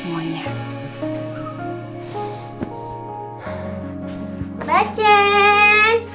tulis tehnya mbak cess